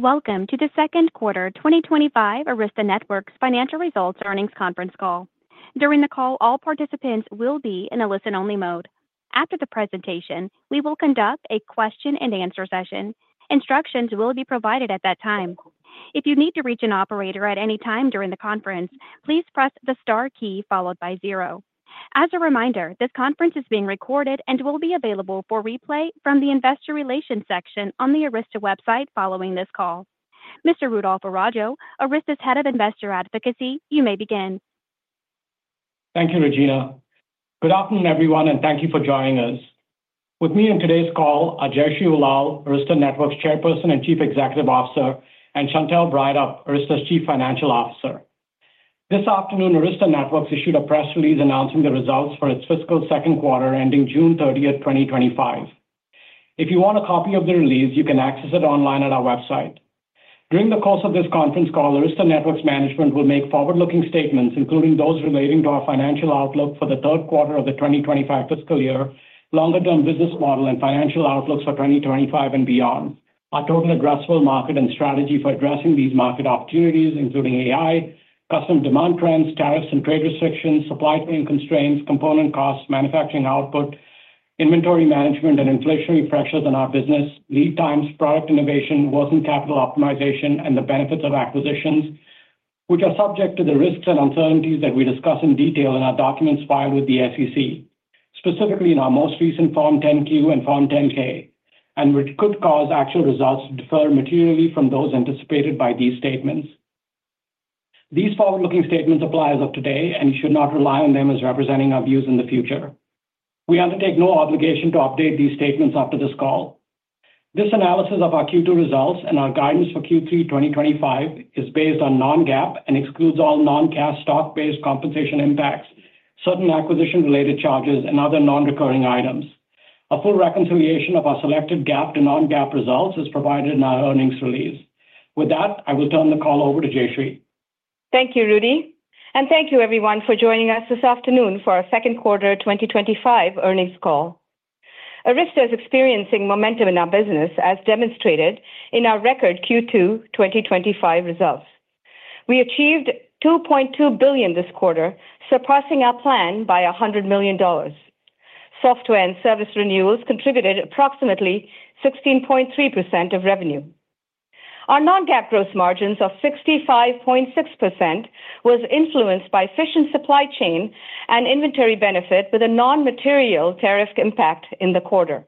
Welcome to the second quarter 2025 Arista Networks Financial Results Earnings Conference Call. During the call, all participants will be in a listen-only mode. After the presentation, we will conduct a question-and-answer session. Instructions will be provided at that time. If you need to reach an operator at any time during the conference, please press the star key followed by zero. As a reminder, this conference is being recorded and will be available for replay from the Investor Relations section on the Arista website. Following this call, Mr. Rudolph Araujo, Arista's Head of Investor Advocacy. You may begin. Thank you, Regina. Good afternoon everyone and thank you for joining us. With me on today's call are Jayshree Ullal, Arista Networks' Chairperson and Chief Executive Officer, and Chantelle Breithaupt, Arista Networks' Chief Financial Officer. This afternoon, Arista Networks issued a press release announcing the results for its fiscal second quarter ending June 30, 2025. If you want a copy of the release, you can access it online at our website. During the course of this conference call, Arista Networks' management will make forward-looking statements including those relating to our financial outlook for the third quarter of the 2025 fiscal year, longer-term business model and financial outlooks for 2025 and beyond, our total addressable market and strategy for addressing these market opportunities including AI customer demand trends, tariffs and trade restrictions, supply chain constraints, component costs, manufacturing output, inventory management, and inflationary pressures on our business, lead times, product innovation, working capital optimization, and the benefits of acquisitions which are subject to the risks and uncertainties that we discuss in detail in our documents filed with the SEC, specifically in our most recent Form 10-Q and Form 10-K, and which could cause actual results to differ materially from those anticipated by these statements. These forward-looking statements apply as of today and you should not rely on them as representing our views in the future. We undertake no obligation to update these statements after this call. This analysis of our Q2 results and our guidance for Q3 2025 is based on non-GAAP and excludes all non-cash stock-based compensation impacts, certain acquisition-related charges, and other non-recurring items. A full reconciliation of our selected GAAP to non-GAAP results is provided in our earnings release. With that, I will turn the call over to Jayshree. Thank you, Rudy, and thank you, everyone, for joining us this afternoon for our second quarter 2025 earnings call. Arista Networks is experiencing momentum in our business as demonstrated in our record Q2 2025 results. We achieved $2.2 billion this quarter, surpassing our plan by $100 million. Software and service renewals contributed approximately 16.3% of revenue. Our non-GAAP gross margins of 65.6% were influenced by efficient supply and inventory benefit, with a non-material tariff impact in the quarter.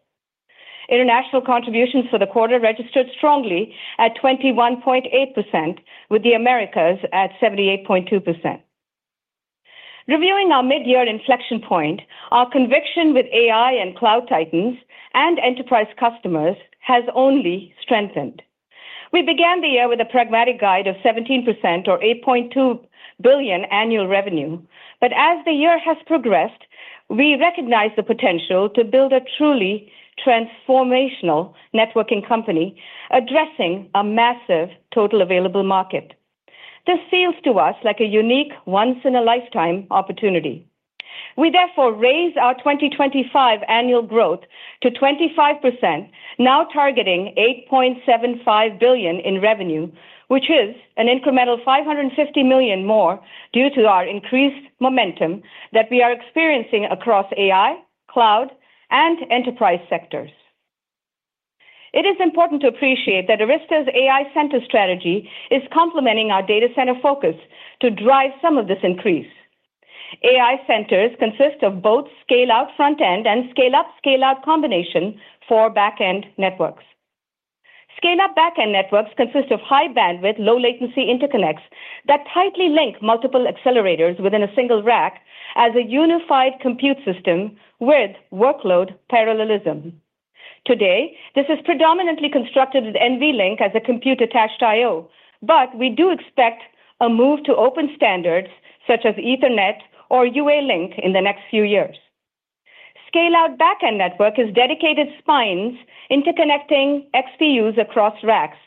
International contributions for the quarter registered strongly at 21.8%, with the Americas at 78.2%. Reviewing our mid-year inflection point, our conviction with AI and cloud titans and enterprise customers has only strengthened. We began the year with a pragmatic guide of 17% or $8.2 billion annual revenue. As the year has progressed, we recognize the potential to build a truly transformational networking company addressing a massive total available market. This feels to us like a unique, once-in-a-lifetime opportunity. We therefore raise our 2025 annual growth to 25%, now targeting $8.75 billion in revenue, which is an incremental $550 million more. Due to our increased momentum that we are experiencing across AI, cloud, and enterprise sectors, it is important to appreciate that Arista Networks' AI center strategy is complementing our data center focus to drive some of this increase. AI Centers consist of both scale-out front end and scale-up, scale-out combination for backend networks. Scale-up backend networks consist of high bandwidth, low latency interconnects that tightly link multiple accelerators within a single rack as a unified compute system with workload parallelism. Today, this is predominantly constructed with NVLink as a compute-attached IO, but we do expect a move to open standards such as Ethernet or UA link in the next few years. Scale-out backend network is dedicated spines interconnecting XPUs across racks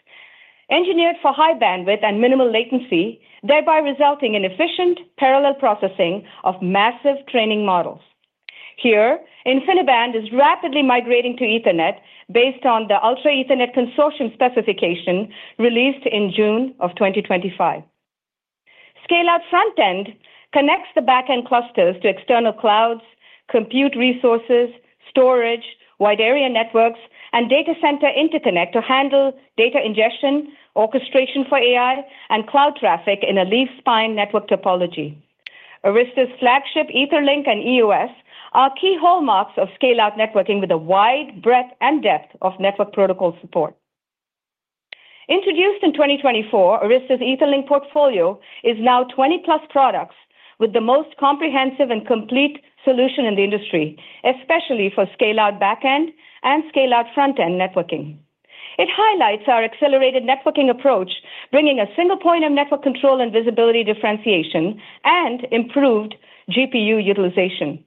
engineered for high bandwidth and minimal latency, thereby resulting in efficient parallel processing of massive training models. Here, InfiniBand is rapidly migrating to Ethernet based on the Ultra Ethernet Consortium specification released in June of 2025. Scale-out front end connects the backend clusters to external clouds, compute resources, storage, wide area networks, and data center interconnect to handle data ingestion orchestration for AI and cloud traffic in a leaf spine network topology. Arista's flagship Etherlink and EOS are key hallmarks of scale-out networking with a wide breadth and depth of network protocol support. Introduced in 2024, Arista's Etherlink portfolio is now 20+ products with the most comprehensive and complete solution in the industry, especially for scale-out backend and scale-out frontend networking. It highlights our accelerated networking approach, bringing a single point of network control and visibility differentiation and improved GPU utilization.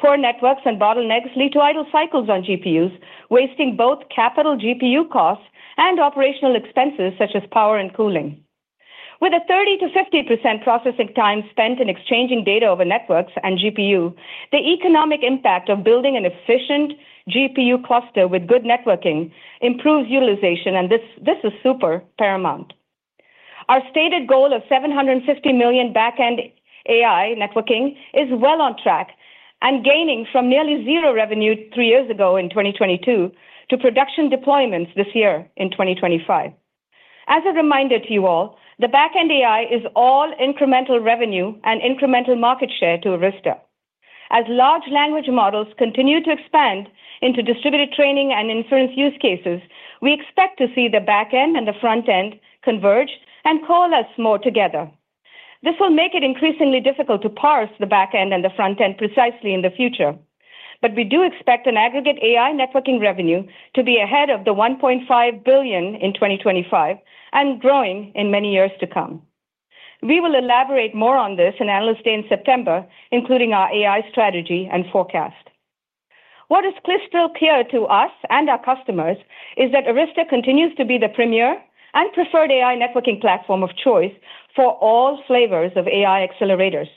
Poor networks and bottlenecks lead to idle cycles on GPUs, wasting both capital, GPU costs, and operational expenses such as power and cooling. With 30%-50% processing time spent in exchanging data over networks and GPU, the economic impact of building an efficient GPU cluster with good networking improves utilization and this is super paramount. Our stated goal of $750 million backend AI networking is well on track and gaining from nearly zero revenue three years ago in 2022 to production deployments this year in 2025. As a reminder to you all, the backend AI is all incremental revenue and incremental market share to Arista. As large language models continue to expand into distributed training and insurance use cases, we expect to see the backend and the frontend converge and call us more together. This will make it increasingly difficult to parse the backend and the frontend precisely in the future, but we do expect aggregate AI networking revenue to be ahead of $1.5 billion in 2025 and growing in many years to come. We will elaborate more on this in Analyst Day in September, including our AI strategy and forecast. What is crystal clear to us and our customers is that Arista continues to be the premier and preferred AI networking platform of choice for all flavors of AI accelerators.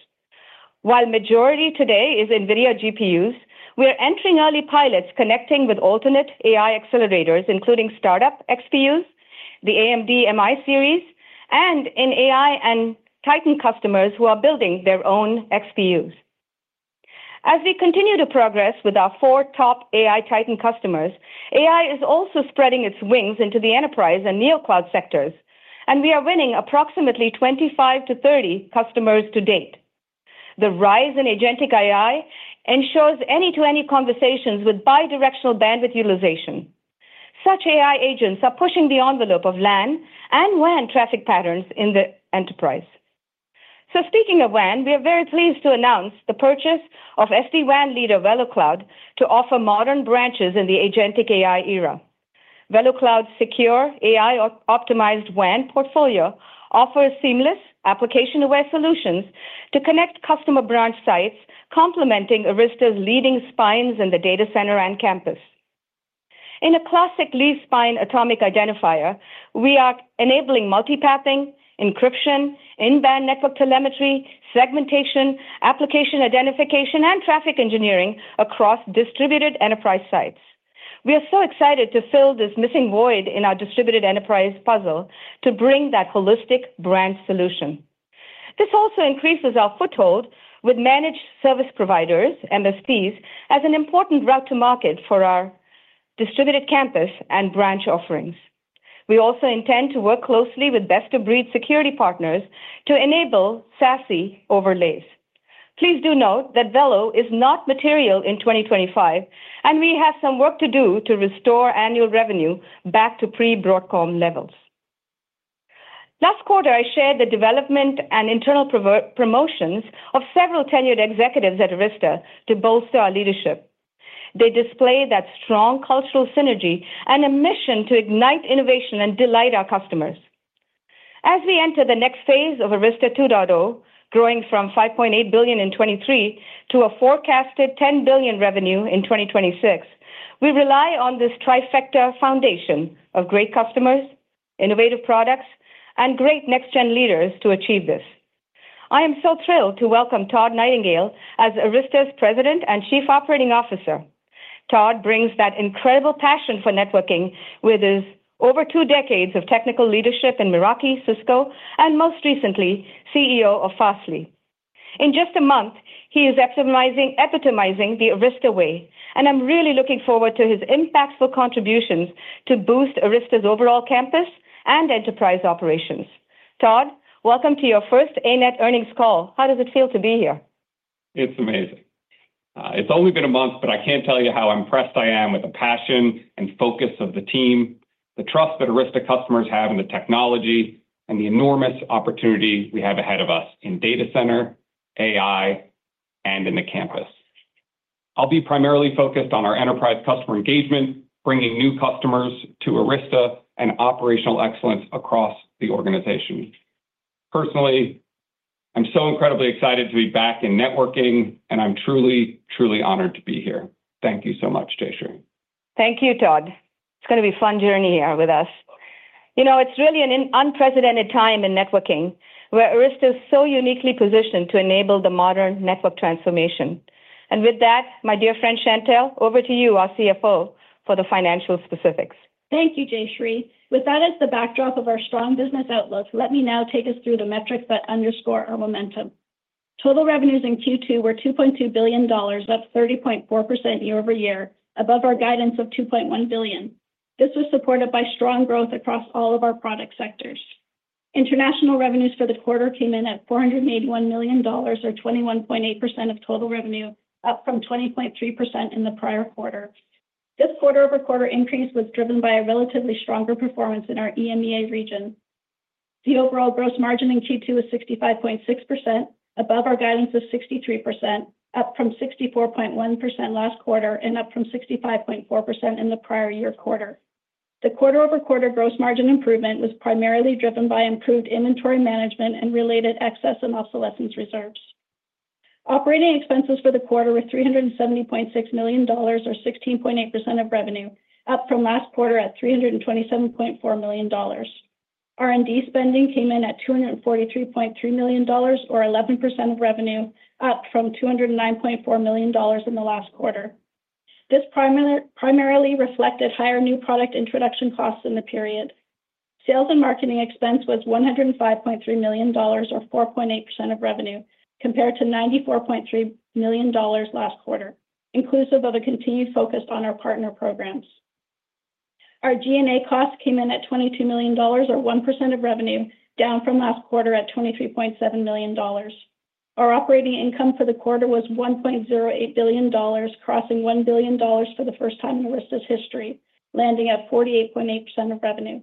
While majority today is NVIDIA GPUs, we are entering early pilots connecting with alternate AI accelerators including startup XPUs, the AMD MI series, and in AI and Titan customers who are building their own XPUs. As we continue to progress with our four top AI Titan customers, AI is also spreading its wings into the enterprise and neo cloud sectors and we are winning approximately 25-30 customers to date. The rise in agentic AI ensures any-to-any conversations with bidirectional bandwidth utilization. Such AI agents are pushing the envelope of LAN and WAN traffic patterns in the enterprise. Speaking of WAN, we are very pleased to announce the purchase of SD-WAN leader VeloCloud to offer modern branches in the agentic AI era. VeloCloud's secure AI optimized WAN portfolio offers seamless application-aware solutions to connect customer branch sites, complementing Arista's leading spines in the data center and campus. In a classic Leaf Spine atomic identifier, we are enabling multipathing, encryption, in-band network telemetry, segmentation, application identification, and traffic engineering across distributed enterprise sites. We are so excited to fill this missing void in our distributed enterprise puzzle to bring that holistic branch solution. This also increases our foothold with managed service providers (MSPs) as an important route to market for our distributed campus and branch offerings. We also intend to work closely with best-of-breed security partners to enable SASE overlays. Please do note that Velo is not material in 2025 and we have some work to do to restore annual revenue back to pre-Broadcom levels. Last quarter I shared the development and internal promotions of several tenured executives at Arista to bolster our leadership. They display that strong cultural synergy and a mission to ignite innovation and delight our customers as we enter the next phase of Arista 2.0, growing from $5.8 billion in 2023 to a forecasted $10 billion revenue in 2026. We rely on this trifecta foundation of great customers, innovative products, and great next-gen leaders to achieve this. I am so thrilled to welcome Todd Nightingale as Arista's President and Chief Operating Officer. Todd brings that incredible passion for networking with his over two decades of technical leadership in Meraki, Cisco, and most recently CEO of Fastly. In just a month, he is epitomizing the Arista way and I'm really looking forward to his impactful contributions to boost Arista's overall campus and enterprise operations. Todd, welcome to your first ANET earnings call. How does it feel to be here? It's amazing. It's only been a month, but I can't tell you how impressed I am with the passion and focus of the team, the trust that Arista customers have in the technology, and the enormous opportunity we have ahead of us in data center AI and in the campus. I'll be primarily focused on our enterprise customer engagement, bringing new customers to Arista and operational excellence across the organization. Personally, I'm so incredibly excited to be back in networking and I'm truly, truly honored to be here. Thank you so much, Jayshree. Thank you, Todd. It's going to be a fun journey here with us. You know, it's really an unprecedented time in networking where Arista Networks is so uniquely positioned to enable the modern network transformation. With that, my dear friend Chantelle, over to you, our CFO, for the financial specifics. Thank you Jayshree. With that as the backdrop of our strong business outlook, let me now take us through the metrics that underscore our momentum. Total revenues in Q2 were $2.2 billion, up 30.4% year-over-year, above our guidance of $2.1 billion. This was supported by strong growth across all of our product sectors. International revenues for the quarter came in at $481 million, or 21.8% of total revenue, up from 20.3% in the prior quarter. This quarter over quarter increase was driven by a relatively stronger performance in our EMEA region. The overall gross margin in Q2 was 65.6%, above our guidance of 63%, up from 64.1% last quarter and up from 65.4% in the prior year. The quarter over quarter gross margin improvement was primarily driven by improved inventory management and related excess and obsolescence reserves. Operating expenses for the quarter were $370.6 million or 16.8% of revenue, up from last quarter at $327.4 million. R&D spending came in at $243.3 million or 11% of revenue, up from $209.4 million in the last quarter. This primarily reflected higher new product introduction costs in the period. Sales and Marketing expense was $105.3 million or 4.8% of revenue, compared to $94.3 million last quarter. Inclusive of a continued focus on our partner programs, our G&A cost came in at $22 million or 1% of revenue, down from last quarter at $23.7 million. Our operating income for the quarter was $1.08 billion, crossing $1 billion for the first time in Arista Networks' history, landing at 48.8% of revenue.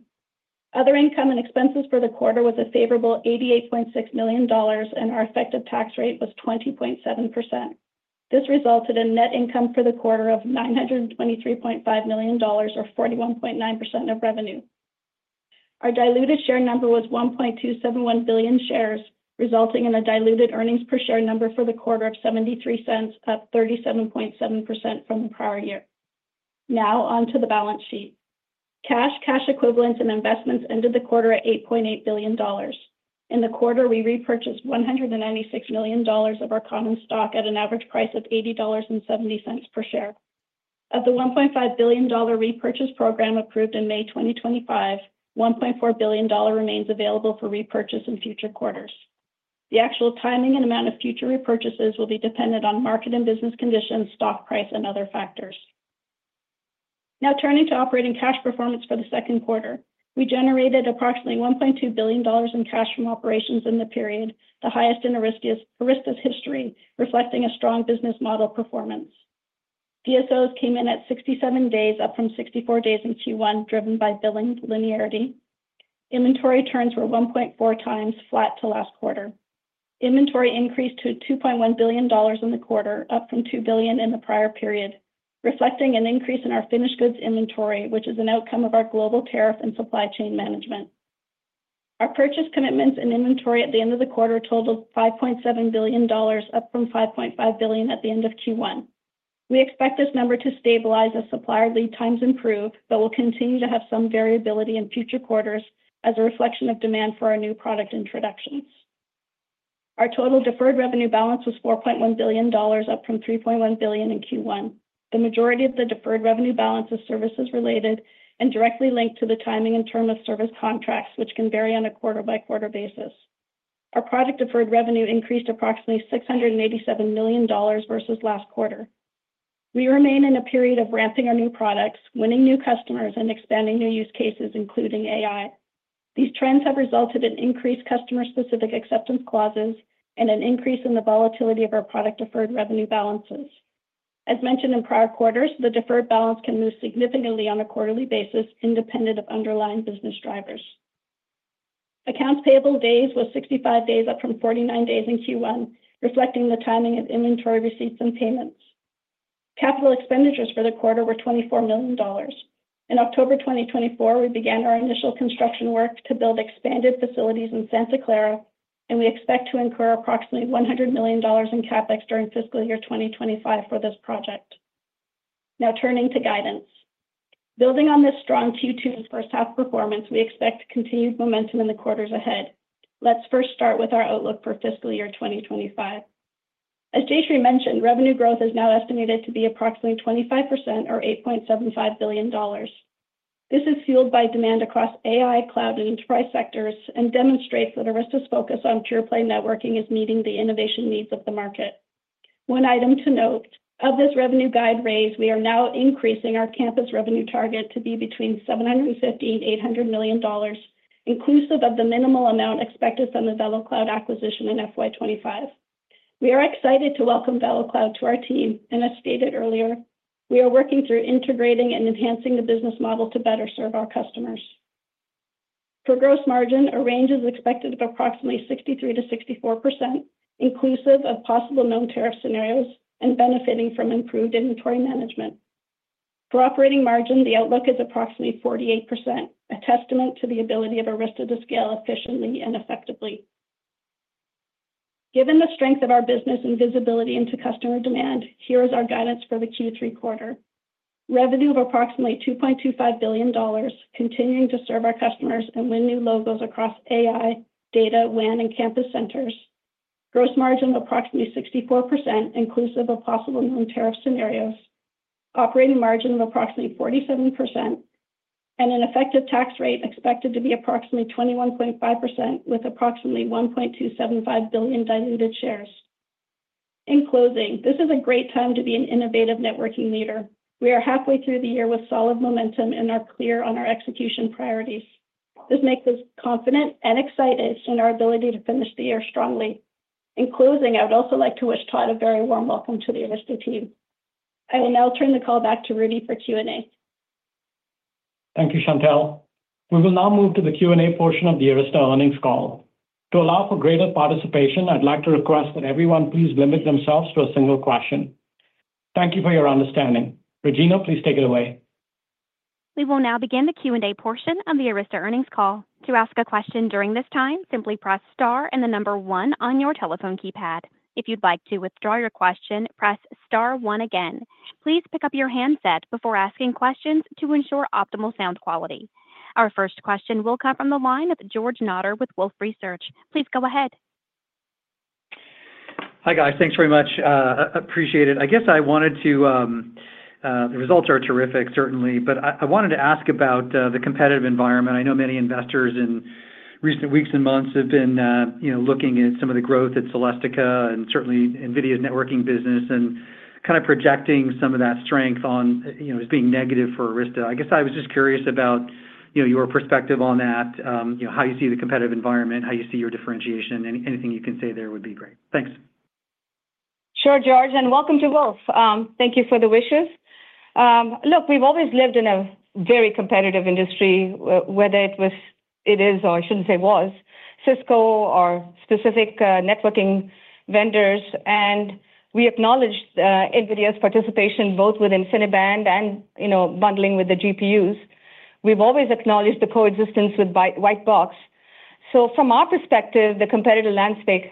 Other income and expenses for the quarter was a favorable $88.6 million and our effective tax. This resulted in net income for the quarter of $923.5 million or 41.9% of revenue. Our diluted share number was 1.271 billion shares, resulting in a diluted earnings per share number for the quarter of $0.73, up 37.7% from the prior year. Now onto the balance sheet. Cash, cash equivalents and investments ended the quarter at $8.8 billion. In the quarter we repurchased $196 million of our common stock at an average price of $80.70 per share. Of the $1.5 billion repurchase program approved in May 2025, $1.4 billion remains available for repurchase in future quarters. The actual timing and amount of future repurchases will be dependent on market and business conditions, stock price and other factors. Now turning to operating cash performance for the second quarter, we generated approximately $1.2 billion in cash from operations in the period, the highest in Arista's history, reflecting a strong business model performance. DSOS came in at 67 days, up from 64 days in Q1. Driven by billing linearity, inventory turns were 1.4x flat to last quarter. Inventory increased to $2.1 billion in the quarter, up from $2 billion in the prior period, reflecting an increase in our finished goods inventory, which is an outcome of our global tariff and supply chain management. Our purchase commitments and inventory at the end of the quarter totaled $5.7 billion, up from $5.5 billion at the end of Q1. We expect this number to stabilize as supplier lead times improve, but will continue to have some variability in future quarters as a reflection of demand for our new product introductions. Our total deferred revenue balance was $4.1 billion, up from $3.1 billion in Q1. The majority of the deferred revenue balance of services related to and directly linked to the timing and term of service contracts, which can vary on a quarter-by-quarter basis. Our project deferred revenue increased approximately $687 million versus last quarter. We remain in a period of ramping our new products, winning new customers, and expanding new use cases including AI. These trends have resulted in increased customer-specific acceptance clauses and an increase in. The volatility of our product deferred revenue balances. As mentioned in prior quarters, the deferred balance can move significantly on a quarterly basis independent of underlying business drivers. Accounts payable days was 65 days, up from 49 days in Q1, reflecting the timing of inventory receipts and payments. Capital expenditures for the quarter were $24 million. In October 2024, we began our initial construction work to build expanded facilities in Santa Clara, and we expect to incur approximately $100 million in CapEx during fiscal year 2025 for this project. Now turning to guidance. Building on this strong Q2 and first half performance, we expect continued momentum in the quarters ahead. Let's first start with our outlook for fiscal year 2025. As Jayshree mentioned, revenue growth is now estimated to be approximately 25% or $8.75 billion. This is fueled by demand across AI, cloud, and enterprise sectors and demonstrates that Arista Networks' focus on pure play networking is meeting the innovation needs of the market. One item to note of this revenue guide raise, we are now increasing our campus revenue target to be between $750 million and $800 million, inclusive of the minimal amount expected from the VeloCloud acquisition in FY 2025. We are excited to welcome VeloCloud to our team, and as stated earlier, we are working through integrating and enhancing the business model to better serve our customers. For gross margin, a range is expected of approximately 63%-64%, inclusive of possible known tariff scenarios and benefiting from improved inventory management. For operating margin, the outlook is approximately 48%, a testament to the ability of Arista to scale efficiently and effectively given the strength of our business and visibility into customer demand. Here is our guidance for Q3. Quarter revenue of approximately $2.25 billion, continuing to serve our customers and win new logos across AI, data, WAN, and campus centers. Gross margin of approximately 64%, inclusive of possible tariff scenarios. Operating margin of approximately 47% and an effective tax rate expected to be approximately 21.5% with approximately 1.275 billion diluted shares. In closing, this is a great time to be an innovative networking leader. We are halfway through the year with solid momentum and are clear on our execution priorities. This makes us confident and excited in our ability to finish the year strongly. In closing, I would also like to wish Todd a very warm welcome to the Arista team. I will now turn the call back to Rudy for Q and A. Thank you, Chantelle. We will now move to the Q and A portion of the Arista earnings call to allow for greater participation. I'd like to request that everyone please limit themselves to a single question. Thank you for your understanding. Regina, please take it away. We will now begin the Q and A portion of the Arista Networks earnings call. To ask a question during this time, simply press star and the number one on your telephone keypad. If you'd like to withdraw your question, press star one again. Please pick up your handset before asking questions to ensure optimal sound quality. Our first question will come from the line of George Notter with Wolfe Research. Please go ahead. Hi guys. Thanks very much. Appreciate it. I guess I wanted to. The results are terrific, certainly, but I wanted to ask about the competitive environment. I know many investors in recent weeks and months have been looking at some of the growth at Celestica and certainly NVIDIA's networking business and kind of projecting some of that strength on, you know, as being negative for Arista. I guess I was just curious about your perspective on that, how you see the competitive environment, how you see your differentiation. Anything you can say there would be great. Thanks. Sure, George. Welcome to Wolfe. Thank you for the wishes. Look, we've always lived in a very competitive industry, whether it was Cisco or specific networking vendors. We acknowledge NVIDIA's participation both with InfiniBand and, you know, bundling with the GPUs. We've always acknowledged the coexistence with white box. From our perspective, the competitive landscape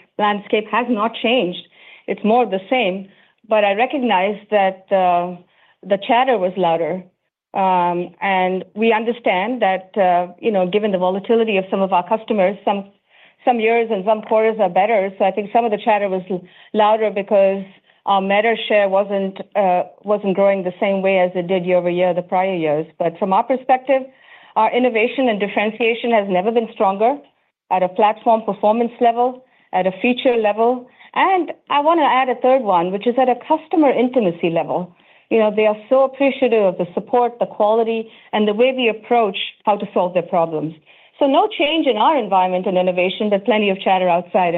has not changed, it's more the same. I recognized that the chatter was louder and we understand that, you know, given the volatility of some of our customers, some years and some quarters are better. I think some of the chatter was louder because our Meta share wasn't growing the same way as it did year over year the prior years. From our perspective, our innovation and differentiation has never been stronger at a platform performance level, at a feature level. I want to add a third one, which is at a customer intimacy level. They are so appreciative of the support, the quality, and the way we approach how to solve their problems. No change in our environment and innovation, but plenty of chatter outside.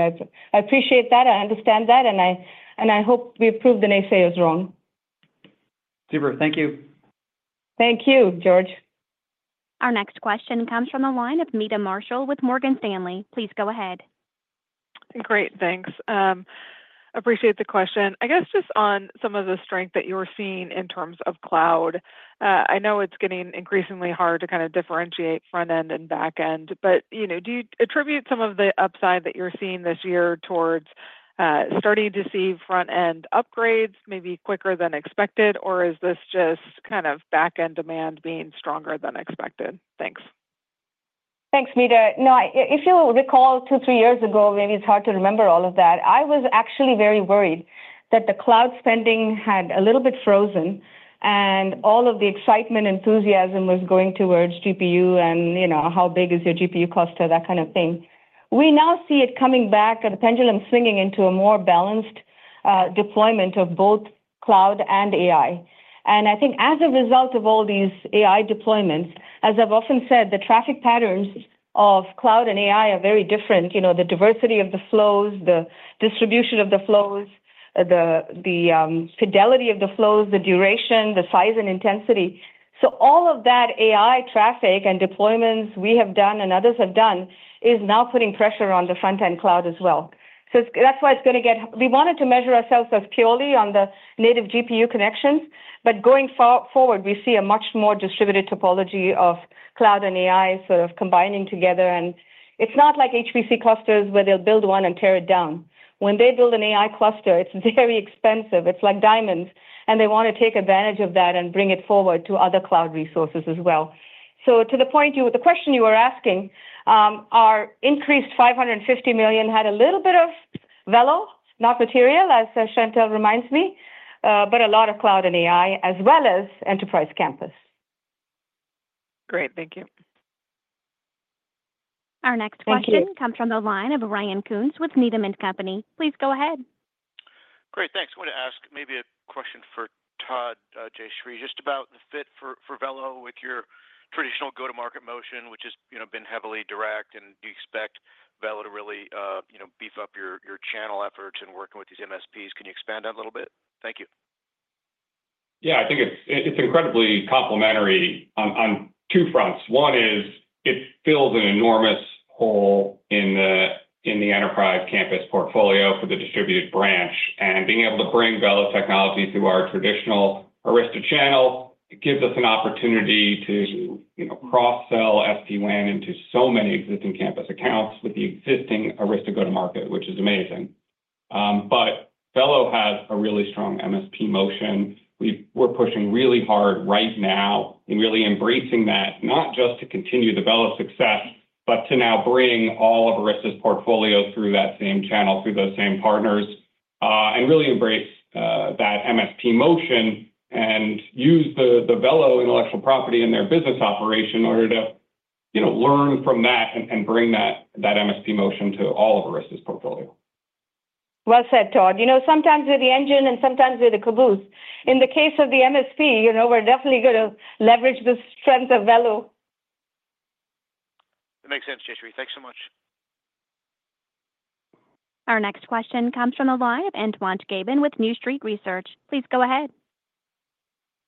I appreciate that, I understand that, and I hope we prove the naysayers wrong. Super, thank you. Thank you, George. Our next question comes from the line of Meta Marshall with Morgan Stanley. Please go ahead. Great, thanks. Appreciate the question. I guess just on some of the strength that you were seeing in terms of cloud, I know it's getting increasingly hard to kind of differentiate front end and back end, but do you attribute some of the upside that you're seeing this year towards starting to see front end upgrades maybe quicker than expected, or is this just kind of back end demand being stronger than expected? Thanks. Thanks, Meta. If you recall two, three years ago, maybe it's hard to remember all of that. I was actually very worried that the cloud spending had a little bit frozen and all of the excitement, enthusiasm was going towards GPU and how big is your GPU cluster, that kind of thing. We now see it coming back, the pendulum swinging into a more balanced deployment of both cloud and AI. I think as a result of all these AI deployments, as I've often said, the traffic patterns of cloud and AI are very different. The diversity of the flows, the distribution of the flows, the fidelity of the flows, the duration, the size and intensity. All of that AI traffic and deployments we have done and others have done is now putting pressure on the front end cloud as well. That's why it's going to get. We wanted to measure ourselves as purely on the native GPU connections. Going forward we see a much more distributed topology of cloud and AI sort of combining together. It's not like HPC clusters where they'll build one and tear it down. When they build an AI cluster, it's very expensive, it's like diamonds and they want to take advantage of that and bring it forward to other cloud resources as well. To the point, the question you were asking, our increased $550 million had a little bit of Velo, not material, as Chantelle reminds me, but a lot of cloud and AI as well as enterprise campus. Great, thank you. Our next question comes from the line of Ryan Koontz with Needham & Company. Please go ahead. Great, thanks. I want to ask maybe a question for Todd and Jayshree. Just about the fit for VeloCloud with your traditional go to market motion, which has been heavily direct. Do you expect VeloCloud to really beef up your channel efforts and working with these MSPs? Can you expand that a little bit? Thank you. Yeah. I think it's incredibly complementary on two fronts. One is it's filled an enormous hole in the enterprise campus portfolio for the distributed branch. Being able to bring VeloCloud technology through our traditional Arista channel gives us an opportunity to cross sell SD-WAN into so many existing campus accounts with the existing Arista go to market, which is amazing. VeloCloud had a really strong MSP motion. We are pushing really hard right now and really embracing that, not just to continue the Velo success, but to now bring all of Arista's portfolio through that same channel, through those same partners, and really embrace that MSP motion and use the Velo intellectual property in their business operation in order to learn from that and bring that MSP motion to all of the rest of this portfolio. That said, Todd. You know, sometimes we're the engine and sometimes we're the caboose. In the case of the managed service provider, you know, we're definitely going to leverage the strength of VeloCloud. It makes sense. Jayshree, thanks so much. Our next question comes from the line of Antoine Gabin with New Street Research. Please go ahead.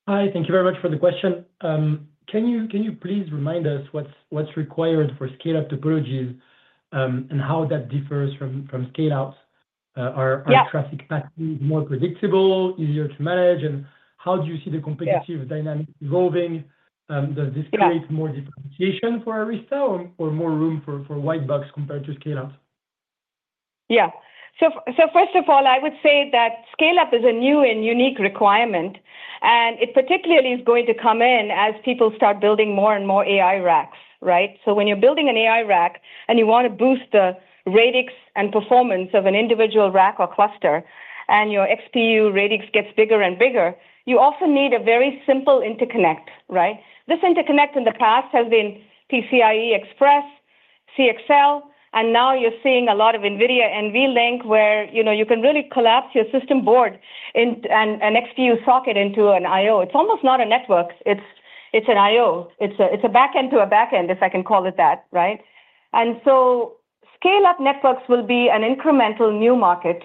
Hi, thank you very much for the question. Can you please remind us what's required for scale-up topologies and how that differs from scale-out? Are traffic packages more predictable, easier to manage, and how do you see the competitive dynamic evolving? Does this create more depreciation for Arista or more room for white box compared to scale-out? Yeah. First of all, I would say that scale-up is a new and unique requirement and it particularly is going to come in as people start building more and more AI racks. Right. When you're building an AI rack and you want to boost the radix and performance of an individual rack or cluster and your XPU radix gets bigger and bigger, you also need a very simple interconnect, right? This interconnect in the past has been PCIe Express, CXL, and now you're seeing a lot of NVIDIA NVLink where you can really collapse your system board and XPU socket into an IO. It's almost not a network, it's an IO. It's a backend to a backend, if I can call it that. Right. Scale-up networks will be an incremental new market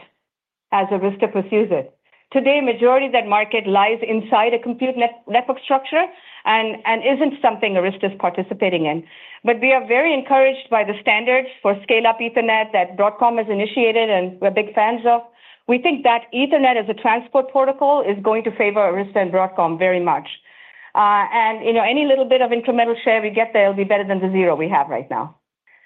as Arista pursues it today. Majority of that market lies inside a compute network structure and isn't something Arista is participating in. We are very encouraged by the standards for scale-up Ethernet that Broadcom has initiated, and we're big fans of. We think that Ethernet as a transport protocol is going to favor Arista and Broadcom very much. Any little bit of incremental share we get there will be better than the zero we have right now.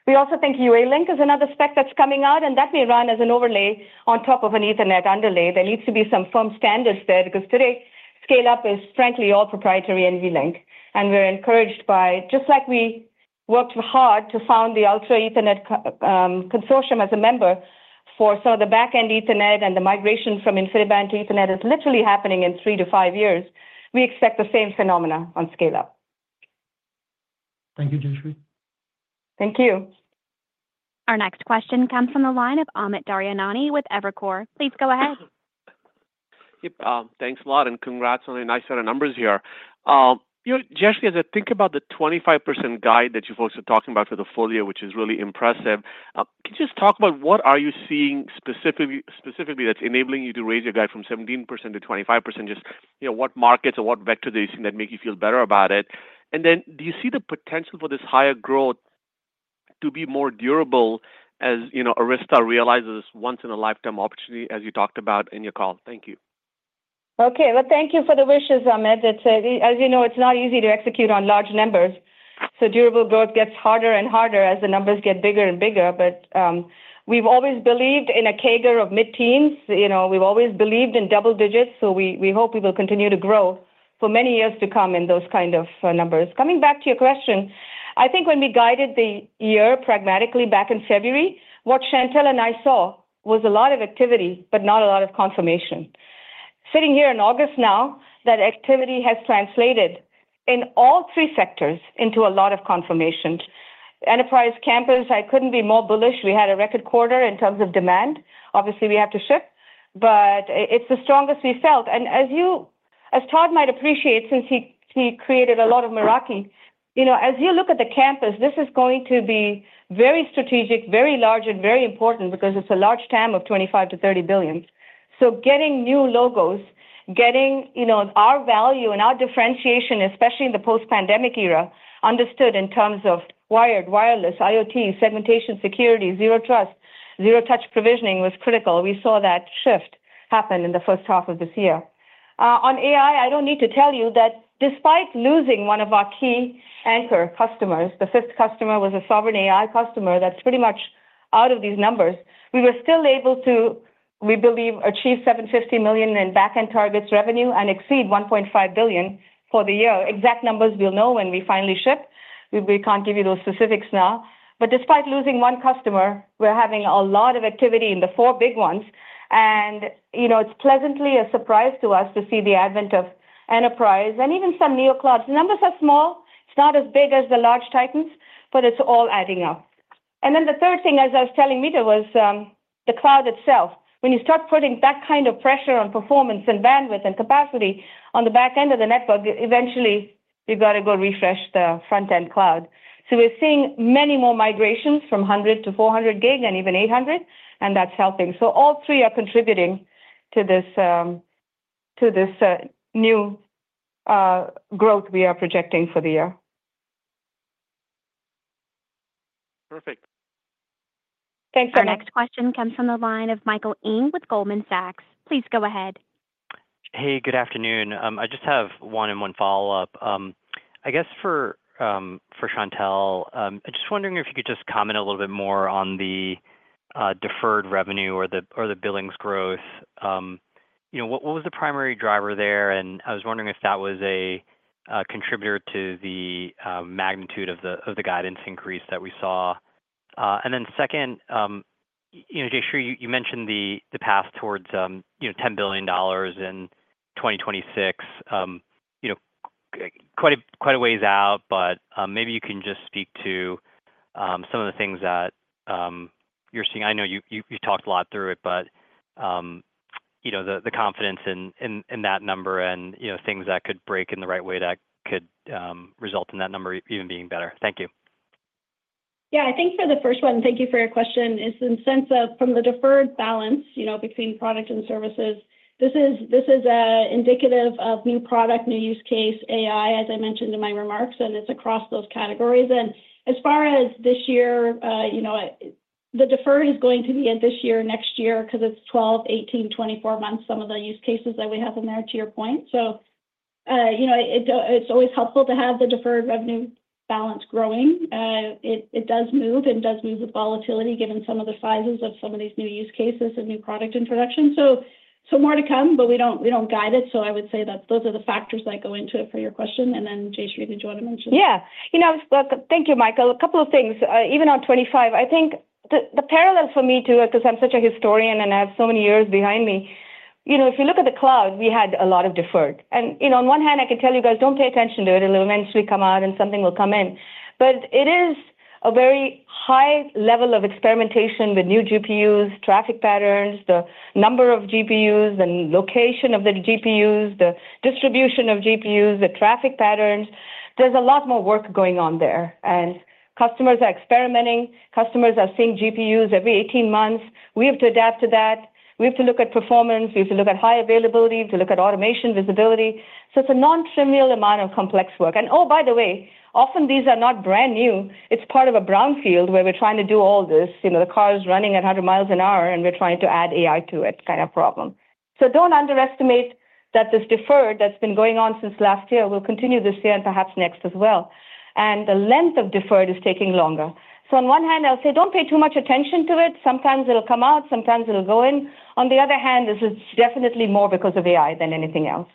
We also think UA Link is another spec that's coming out and that may run as an overlay on top of an Ethernet underlay. There needs to be some firm standards there because today scale-up is frankly all proprietary and NVLink. We're encouraged by just like we worked hard to found the Ultra Ethernet Consortium as a member for the backend Ethernet. The migration from InfiniBand to Ethernet is literally happening in 3-5 years. We expect the same phenomena on scale-up. Thank you, Jayshree. Thank you. Our next question comes from the line of Amit Daryanani with Evercore. Please go ahead. Thanks a lot. Congrats on a nice set of numbers here. Jayshree, as I think about the 25% guide that you folks are talking about for the full year, which is really impressive, can you just talk about what are you seeing specifically that's enabling you to raise your guide from 17% -25%? What markets or what vector do you see that make you feel better about it? Do you see the potential for this higher growth to be more durable as Arista realizes once in a lifetime opportunity, as you talked about in your call? Thank you. Okay, thank you for the wishes, Amit. As you know, it's not easy to execute on large numbers, so durable growth gets harder and harder as the numbers get bigger and bigger. We've always believed in a CAGR of mid teens. We've always believed in double digits. We hope we will continue to grow for many years to come in those kind of numbers. Coming back to your question, I think when we guided the year pragmatically back in February, what Chantelle and I saw was a lot of activity but not a lot of confirmation. Sitting here in August, now that activity has translated in all three sectors into a lot of confirmation. Enterprise campus, I couldn't be more bullish. We had a record quarter in terms of demand. Obviously we have to ship, but it's the strongest we've felt. As you, as Todd might appreciate since he created a lot of Meraki, as you look at the campus, this is going to be very strategic, very large and very important because it's a large TAM of $25-$30 billion. Getting new logos, getting our value and our differentiation, especially in the post-pandemic era, understood in terms of wired, wireless, IoT segmentation, security, zero trust, zero touch provisioning was critical. We saw that shift happen in the first half of this year. On AI, I don't need to tell you that despite losing one of our key anchor customers, the fifth customer was a sovereign AI customer. That's pretty much out of these numbers. We were still able to, we believe, achieve $750 million in backend targets revenue and exceed $1.5 billion for the year. Exact numbers we'll know when we finally ship. We can't give you those specifics now, but despite losing one customer, we're having a lot of activity in the four big ones. It's pleasantly a surprise to us to see the advent of enterprise and even some new clouds. Numbers are small. It's not as big as the large titans, but it's all adding up. The third thing, as I was telling Mita, was the cloud itself. When you start putting that kind of pressure on performance and bandwidth and capacity on the back end of the network, eventually you got to go refresh the front end cloud. We're seeing many more migrations from 100 Gb-400 Gb and even 800 Gb and that's helping. All three are contributing to this new growth we are projecting for the year. Perfect. Our next question comes from the line of Michael Ng with Goldman Sachs. Please go ahead. Hey, good afternoon.I just have one and one follow-up, I guess, for Chantelle. I'm just wondering if you could comment a little bit more on the deferred revenue or the billings growth. What was the primary driver there? I was wondering if that was a contributor to the magnitude of the guidance increase that we saw. Second, Jayshree, you mentioned the path towards $10 billion in 2026. Quite a ways out, but maybe you can speak to some of the things that you're seeing. I know you talked a lot through it, but the confidence in that number and things that could break in the right way that could result in that number even being better. Thank you. Yeah, I think for the first one, thank you for your question. In the sense of, from the deferred balance, you know, between products and services, this is indicative of new product, new use case, AI, as I mentioned in my remarks, and it's across those categories. As far as this year, you know, the deferred is going to be at this year, next year, because it's 12, 18, 24 months, some of the use cases that we have in there, to your point. You know, it's always helpful to have the deferred revenue balance growing. It does move, and does move with volatility given some of the sizes of so many new use cases and new product introduction. More to come. We don't guide it. I would say that those are the factors that go into it. For your question and then Jayshree. Yeah, you know, thank you, Michael. A couple of things, even on 2025, I think the parallel for me too, because I'm such a historian and I have so many years behind me, you know, if you look at the cloud, we had a lot of deferred, and you know, on one hand I can tell you guys don't pay attention to it, it'll eventually come out and something will come in. It is a very high level of experimentation with new GPUs, traffic patterns, the number of GPUs, the location of the GPUs, the distribution of GPUs, the traffic patterns. There's a lot more work going on there and customers are experimenting, customers are seeing GPUs every 18 months. We have to adapt to that. We have to look at performance, we have to look at high availability, to look at automation, visibility. It's a nontrivial amount of complex work. By the way, often these are not brand new. It's part of a brownfield where we're trying to do all this. You know, the car is running at 100 miles an hour and we're trying to add AI to it kind of problem. Don't underestimate that this deferred that's been going on since last year will continue this year and perhaps next as well. The length of deferred is taking longer. On one hand I'll say don't pay too much attention to it. Sometimes it'll come out, sometimes it'll go in. On the other hand, this is definitely more because of AI than anything else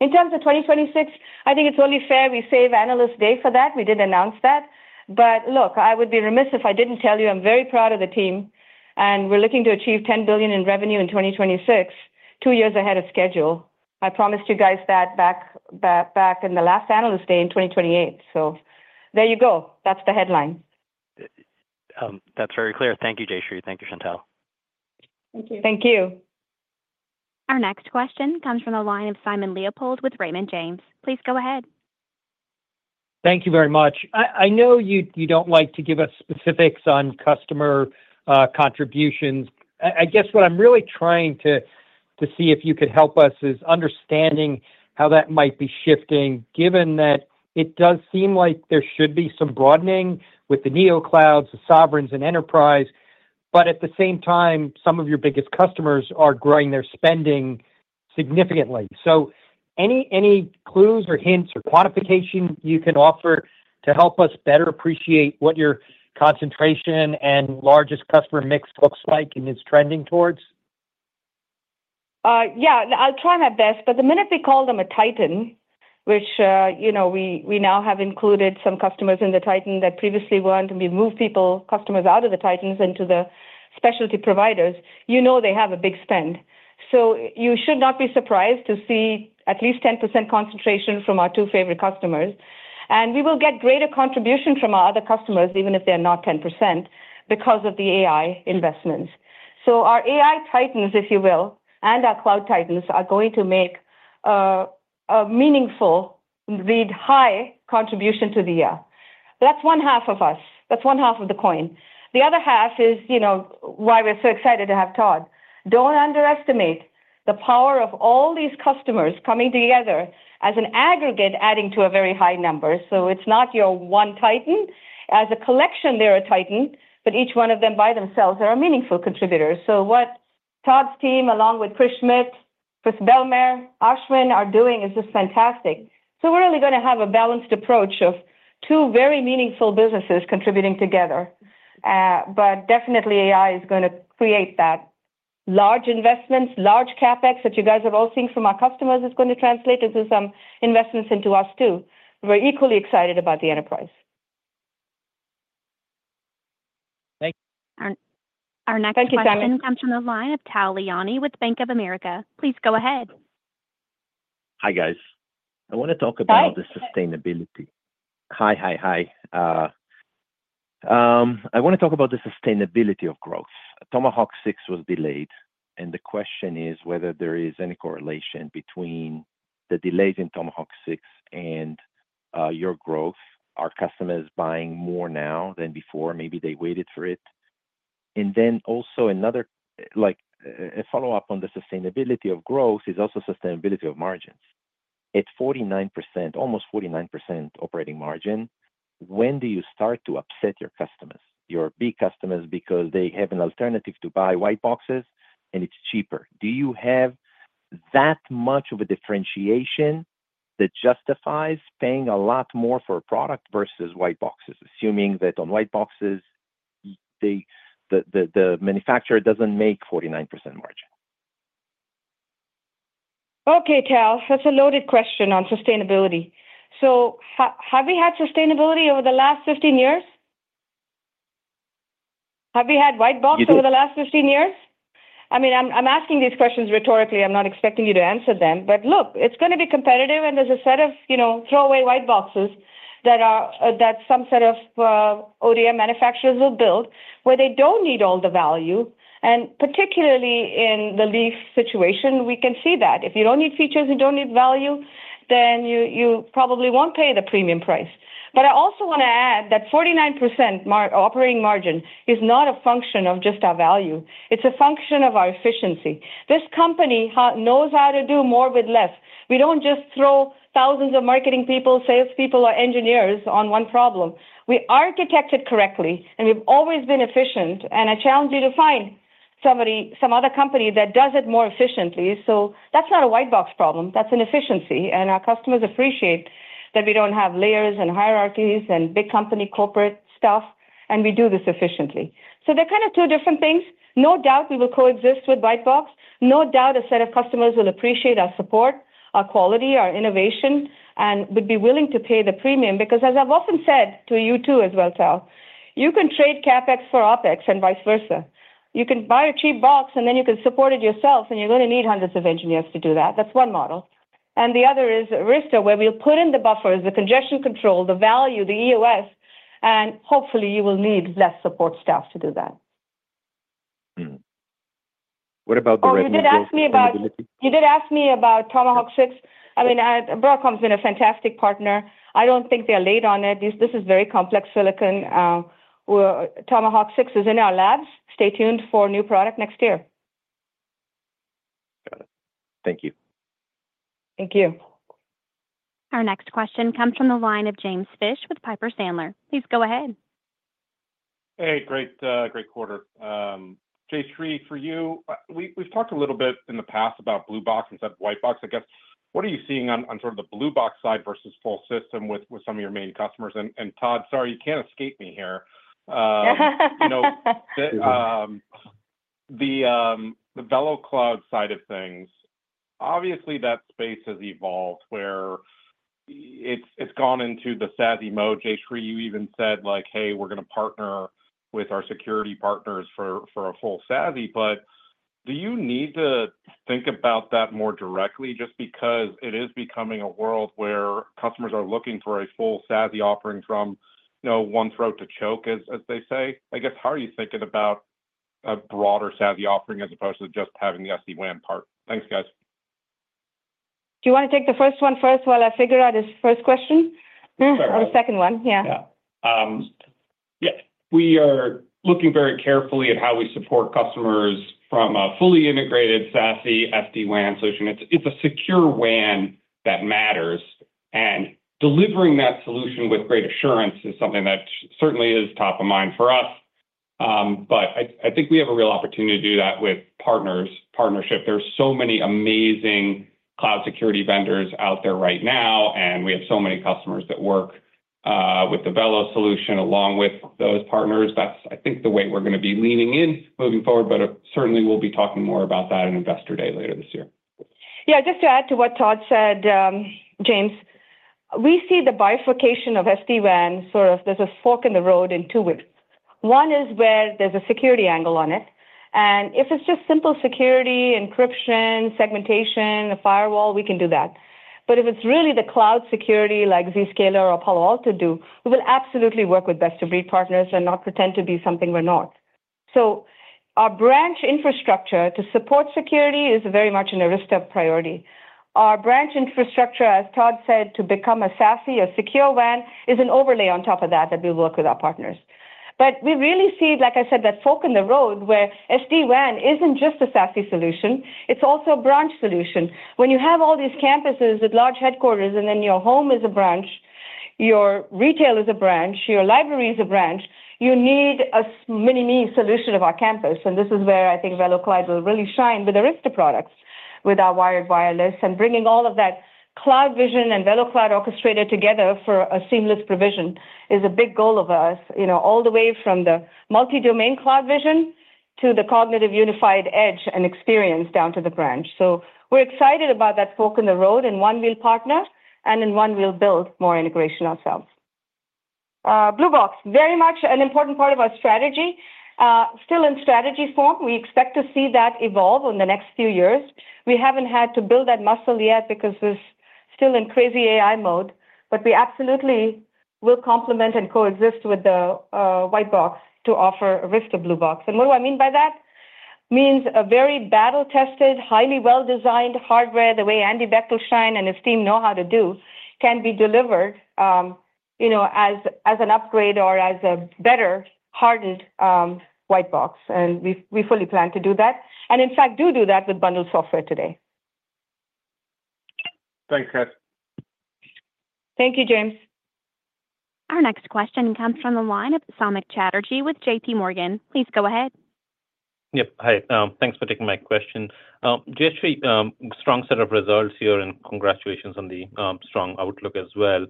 in terms of 2026. I think it's only fair we save Analyst Day for that. We did announce that. I would be remiss if I didn't tell you I'm very proud of the team and we're looking to achieve $10 billion in revenue in 2026, two years ahead of schedule. I promised you guys that back in the last Analyst Day in 2028. There you go. That's the headline. That's very clear. Thank you, Jayshree. Thank you, Chantelle. Thank you. Thank you. Our next question comes from the line of Simon Leopold with Raymond James. Please go ahead. Thank you very much. I know you don't like to give us specifics on customer contributions. I guess what I'm really trying to see if you could help us is understanding how that might be shifting, given that it does seem like there should be some broadening with the Neo clouds, the sovereigns, and enterprise. At the same time, some of your biggest customers are growing their spending significantly. Any clues or hints or quantification you can offer to help us better appreciate what your concentration and largest customer mix looks like and it's trending towards? Yeah, I'll try my best. The minute we call them a titan, which you know, we now have included some customers in the titan that previously weren't and we moved customers out of the titans into the specialty providers, you know, they have a big spend so you should not be surprised to see at least 10% concentration from our two favorite customers and we will get greater contribution from our other customers even if they're not 10% because of the AI investments. Our AI titans, if you will, and our cloud titans are going to make a meaningful, really high contribution to the. That's one half of us. That's one half of the coin. The other half is, you know, why we're so excited to have Todd. Don't underestimate the power of all these customers coming together as an aggregate adding to a very high number. It's not your one titan as a collection, they're a titan, but each one of them by themselves are a meaningful contributor. What Todd's team, along with Pushmit, Chris, Belmer, Ashwin are doing is just fantastic. We're really going to have a balanced approach of two very meaningful businesses contributing together. Definitely AI is going to create that large investments. Large CapEx that you guys have all seen from our customers is going to translate into some investments into us too. We're equally excited about the enterprise. Thank you. Our next question comes from the line of Tal Leone with Bank of America. Please go ahead. I want to talk about the sustainability of growth. Tomahawk 6 was delayed, and the question is whether there is any correlation between the delays in Tomahawk 6 and your growth. Are customers buying more now than before? Maybe they waited for it. Another follow-up on the sustainability of growth is also the sustainability of margins at 49%, almost 49% operating margin. When do you start to upset your customers, your big customers, because they have an alternative to buy white boxes and it's cheaper? Do you have that much of a differentiation that justifies paying a lot more for a product versus white boxes, assuming that on white boxes the manufacturer doesn't make 49% margin? Okay, Tal, that's a loaded question on sustainability. Have we had sustainability over the last 15 years? Have we had white box over the last 15 years? I'm asking these questions rhetorically. I'm not expecting you to answer them. Look, it's going to be competitive. There's a set of, you know, throwaway white boxes that some set of ODM manufacturers will build where they don't need all the value. Particularly in the leaf situation, we can see that if you don't need features, you don't need value, then you probably won't pay the premium price. I also want to add that 49% operating margin is not a function of just our value, it's a function of our efficiency. This company knows how to do more with less. We don't just throw thousands of marketing people, salespeople, or engineers on one problem. We architect it correctly and we've always been efficient. I challenge you to find somebody, some other company that does it more efficiently. That's not a white box problem. That's efficiency. Our customers appreciate that. We don't have layers and hierarchies and big company corporate stuff. We do this efficiently. They're kind of two different things. No doubt we will coexist with white box. No doubt a set of customers will appreciate our support, our quality, our innovation, and would be willing to pay the premium. As I've often said to you too as well, Tal, you can trade CapEx for OpEx and vice versa. You can buy a cheap box and then you can support it yourself. You're going to need hundreds of engineers to do that. That's one model and the other is Arista, where we'll put in the buffers, the congestion control, the value, the EOS, and hopefully you will need less support staff to do that. What about the? You did ask me about Tomahawk 6. I mean, Broadcom's been a fantastic partner. I don't think they're late on it. This is very complex. Silicon Tomahawk 6 is in our labs. Stay tuned for new product next year. Thank you. Thank you. Our next question comes from the line of James Fish with Piper Sandler. Please go ahead. Hey, great, great quarter Jayshree for you. We've talked a little bit in the past about blue box instead of white box, I guess. What are you seeing on sort of the blue box side versus full system with some of your main customers? Todd, sorry, you can't escape me here. The VeloCloud side of things, obviously that space has evolved where it's gone into the SASE mode. Jayshree, you even said like, hey, we're going to partner with our security partners for a full SASE, but do you need to think about that more directly? Just because it is becoming a world where customers are looking for a full SASE offering from one throat to choke, as they say, I guess. How are you thinking about a broader SASE offering as opposed to just having the SD-WAN part? Thanks, guys. Do you want to take the first one while I figure out this first question or the second one? Yeah. We are looking very carefully at how we support customers from a fully integrated SASE SD-WAN solution. It's a secure WAN that matters, and delivering that solution with great assurance is something that certainly is top of mind for us. I think we have a real opportunity to do that with partners, partnership. There are so many amazing cloud security vendors out there right now, and we have so many customers that work with the VeloCloud solution along with those partners. I think that's the way we're going to be leaning in moving forward. Certainly, we'll be talking more about that at Investor Day later this year. Yeah. Just to add to what Todd said, James, we see the bifurcation of SD-WAN, sort of there's a fork in the road in two ways. One is where there's a security angle on it, and if it's just simple security, encryption, segmentation, a firewall, we can do that. If it's really the cloud security like Zscaler or Palo Alto do, we will absolutely work with best-of-breed partners and not pretend to be something we're not. Our branch infrastructure to support security is very much an Arista priority. Our branch infrastructure, as Todd said, to become a SASE or secure WAN is an overlay on top of that that we work with our partners. We really see, like I said, that fork in the road where SD-WAN isn't just a SASE solution, it's also a branch solution. When you have all these campuses with large headquarters and then your home is a branch, your retail is a branch, your library is a branch, you need a mini-me solution of our campus. This is where I think VeloCloud will really shine with Arista products, with our wired, wireless, and bringing all of that CloudVision and VeloCloud Orchestrator together for a seamless provision is a big goal of ours. All the way from the multi-domain CloudVision to the cognitive unified edge and experience down to the branch. We're excited about that fork in the road and onewheel partner and in onewheel build more integration ourselves. Blue box is very much an important part of our strategy, still in strategy form. We expect to see that evolve in the next few years. We haven't had to build that muscle yet because we're still in crazy AI mode, but we absolutely will complement and coexist with the white box to offer Arista blue box. What do I mean by that? It means a very battle-tested, highly well-designed hardware the way Andy Bechtolsheim and his team know how to do can be delivered, you know, as an upgrade or as a better hardened white box. We fully plan to do that and in fact do that with bundled software today. Thanks. Thank you, James. Our next question comes from the line of Samik Chatterjee with J.P. Morgan. Please go ahead. Yep. Hi, thanks for taking my question, Jayshree. Strong set of results here, and congratulations on the strong outlook as well.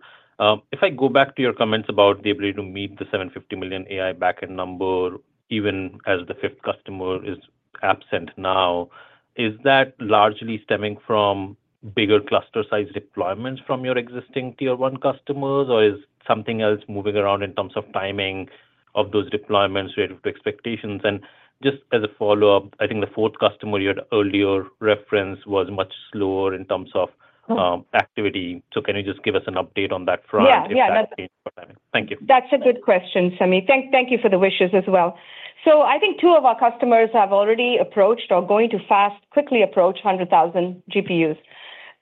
If I go back to your comments about the ability to meet the $750 million AI backend number even as the fifth customer is absent now, is that largely stemming from bigger cluster size deployments from your existing tier one customers, or is something else moving around in terms of timing of those deployments related to expectations? Just as a follow-up, I think the fourth customer you had earlier referenced was much slower in terms of activity. Can you just give us an update on that front? Yeah, thank you. That's a good question, Samik. Thank you for the wishes as well. I think two of our customers have already approached or are going to quickly approach 100,000 GPUs.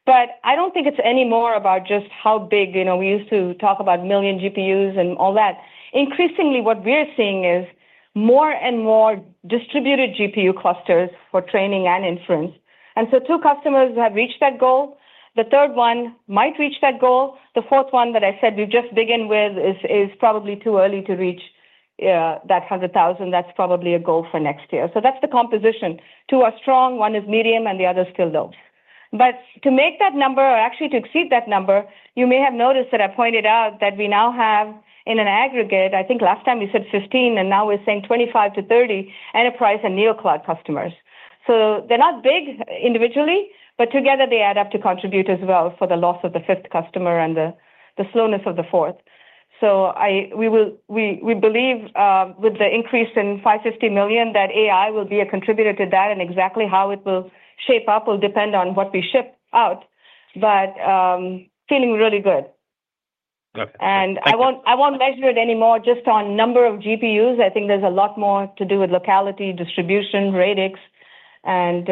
I don't think it's any more about just how big. You know, we used to talk about million GPUs and all that. Increasingly, what we're seeing is more and more distributed GPU clusters for training and inference. Two customers have reached that goal, the third one might reach that goal. The fourth one that I said we just begin with is probably too early to reach that 100,000. That's probably a goal for next year. That's the composition. Two are strong, one is medium, and the other still developing. To make that number or actually to exceed that number, you may have noticed that I pointed out that we now have in aggregate, I think last time we said 15 and now we're saying 25-30 enterprise and neo cloud customers. They're not big individually, but together they add up to contribute as well for the loss of the fifth customer and the slowness of the fourth. We believe with the increase in $550 million, that AI will be a contributor to that. Exactly how it will shape up will depend on what we ship out. Feeling really good, and I won't measure it anymore just on number of GPUs. I think there's a lot more to do with locality, distribution, radix, and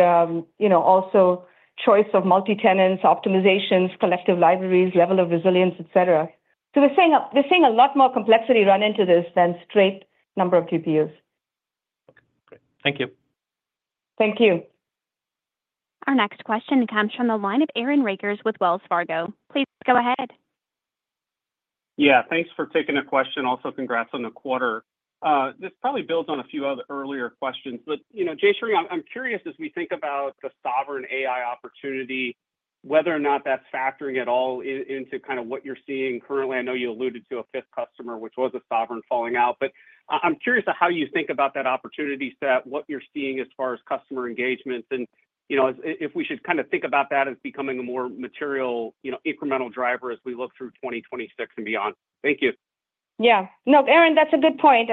also choice of multi-tenant optimizations, collective libraries, level of resilience, etc. We're seeing a lot more complexity run into this than straight number of GPUs. Thank you. Thank you. Our next question comes from the line of Aaron Rakers with Wells Fargo. Please go ahead. Yeah, thanks for taking a question. Also, congrats on the quarter. This probably builds on a few other earlier questions, but you know, Jayshree, I'm curious as we think about the sovereign AI opportunity, whether or not that's factoring at all into kind of what you're seeing currently. I know you alluded to a fifth customer which was a sovereign falling out, but I'm curious how you think about that opportunity set, what you're seeing as far as customer engagement and if we should kind of think about that as becoming a more material, incremental driver as we look through 2026 and beyond. Thank you. Yeah, no, Aaron, that's a good point.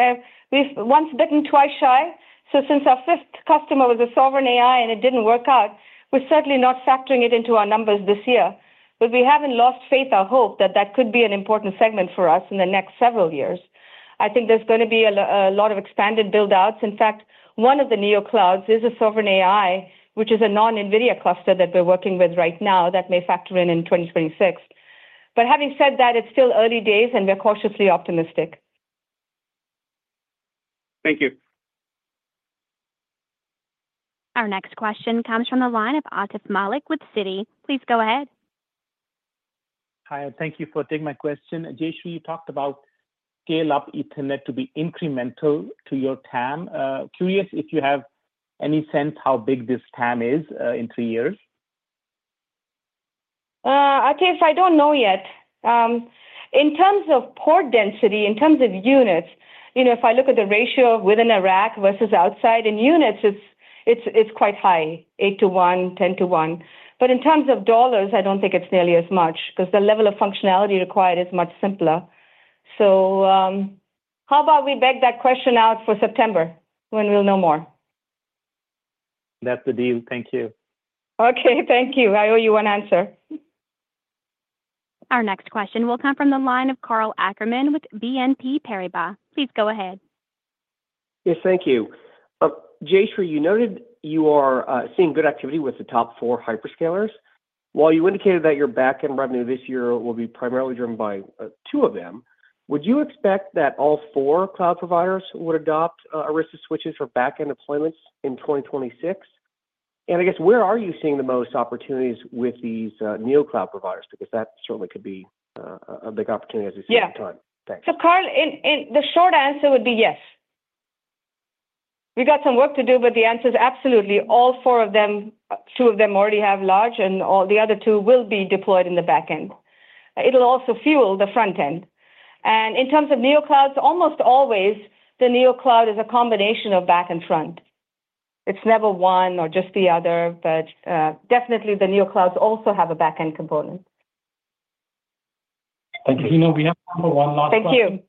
We've once bitten, twice shy. Since our fifth customer was a sovereign AI and it didn't work out, we're certainly not factoring it into our numbers this year, but we haven't lost faith or hope that that could be an important segment for us in the next several years. I think there's going to be a lot of expanded build outs. In fact, one of the new clouds is a sovereign AI, which is a non-NVIDIA cluster that we're working with right now. That may factor in in 2026, but having said that, it's still early days and we're cautiously optimistic. Thank you. Our next question comes from the line of Atif Malik with Citi. Please go ahead. Hi. Thank you for taking my question. Jayshree, you talked about scale-up Ethernet to be incremental to your TAM. Curious if you have any sense how big this TAM is in three years. Atif, I don't know yet. In terms of port density, in terms of units, if I look at the ratio within a rack versus outside in units, it's quite high, 8-1, 10-1. In terms of dollars, I don't think it's nearly as much because the level of functionality required is much simpler. How about we beg that question out for September when we'll know more? That's the deal. Thank you. Okay, thank you. I owe you one answer. Our next question will come from the line of Karl Ackerman with BNP Paribas. Please go ahead. Yes, thank you. Jaishree, you noted you are seeing good activity with the top four hyperscalers. While you indicated that your backend revenue this year will be primarily driven by two of them, would you expect that all four cloud providers would adopt Arista switches for backend deployments in 2026? Where are you seeing the most opportunities with these new cloud providers? That certainly could be a big opportunity as you see it. Thanks. Carl, the short answer would be yes, we got some work to do. The answer is absolutely all four of them. Two of them already have large and all the other two will be deployed in the backend. It'll also fuel the front end. In terms of new clouds, almost always the new cloud is a combination of back and front. It's never one or just the other. Definitely the new clouds also have a backend component. Thank you. Regina, we have one last question. Thank you.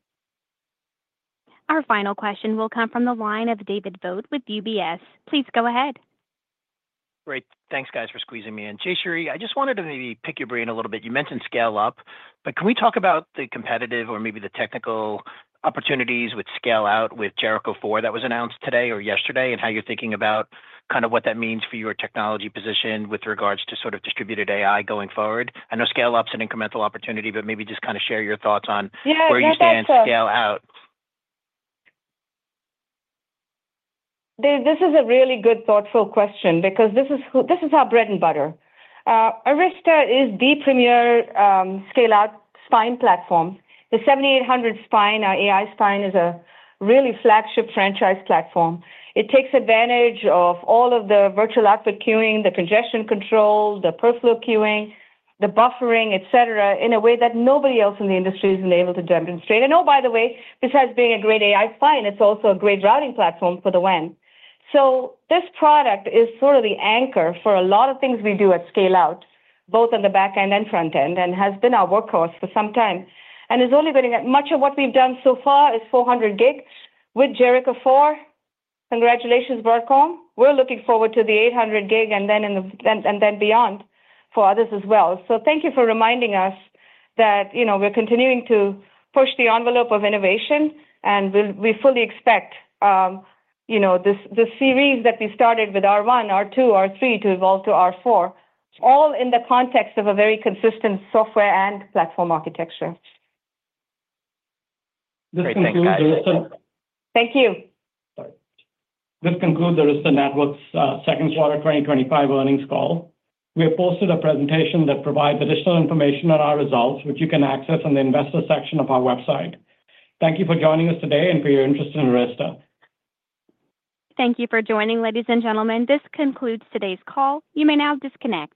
Our final question will come from the line of David Vogt with UBS. Please go ahead. Great. Thanks guys for squeezing me in. Jayshree, I just wanted to maybe pick your brain a little bit. You mentioned scale up, but can we talk about the competitive or maybe the technical opportunities with scale out with Jericho 4 that was announced today or yesterday and how you're thinking about kind of what that means for your technology position with regards to sort of distributed AI going forward. I know scale up is an incremental opportunity, but maybe just kind of share your thoughts on where you stand. Scale out. This is a really good, thoughtful question because this is our bread and butter. Arista is the premier scale-out spine platform. The 7800 Spine, our AI spine, is a really flagship franchise platform. It takes advantage of all of the virtual output queuing, the congestion control, the per-flow queuing, the buffering, et cetera, in a way that nobody else in the industry is able to demonstrate. By the way, besides being a great AI spine, it's also a great routing platform for the WAN. This product is sort of the anchor for a lot of things we do at scale-out, both on the backend and frontend, and has been our workhorse for some time and is only getting better. Much of what we've done so far is 400 gig with Jericho 4. Congratulations Broadcom. We're looking forward to the 800 gig and then beyond for others as well. Thank you for reminding us that we're continuing to push the envelope of innovation, and we fully expect the series that we started with R1, R2, R3 to evolve to R4, all in the context of a very consistent software and platform architecture. Thank you. This concludes Arista Networks' second quarter 2025 earnings call. We have posted a presentation that provides additional information on our results, which you can access in the Investor section of our website. Thank you for joining us today and for your interest in Arista. Thank you for joining, ladies and gentlemen. This concludes today's call. You may now disconnect.